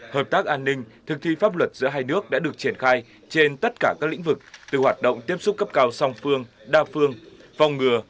hợp tác an ninh thực thi pháp luật giữa hai nước đã được triển khai trên tất cả các lĩnh vực từ hoạt động tiếp xúc cấp cao song phương đa phương phòng ngừa